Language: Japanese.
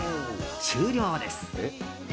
終了です。